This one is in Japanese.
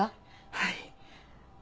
はい。